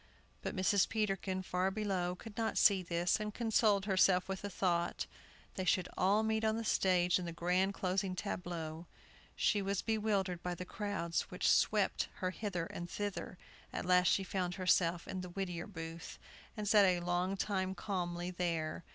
But Mrs. Peterkin, far below, could not see this, and consoled herself with the thought, they should all meet on the stage in the grand closing tableau. She was bewildered by the crowds which swept her hither and thither. At last she found herself in the Whittier Booth, and sat a long time calmly there.